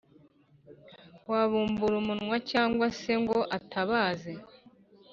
wabumbura umunwa cyangwa se ngo atabaze.»